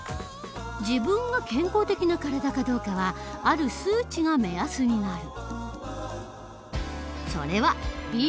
自分が健康的な体かどうかはある数値が目安になる。